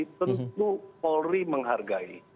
tentu polri menghargai